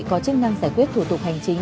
có chức năng giải quyết thủ tục hành chính